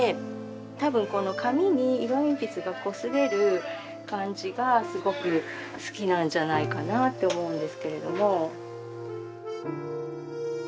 多分この紙に色鉛筆がこすれる感じがすごく好きなんじゃないかなと思うんですけれども。